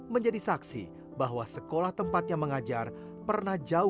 kondisi roh itu muncul pada canvas warna